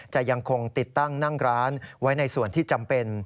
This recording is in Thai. จะยังคงติดตั้งนั่งร้านไว้ในส่วนที่จำเป็น